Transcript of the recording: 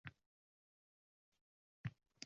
va boshqa shunga o‘xshash «asbob»larning mavjudligi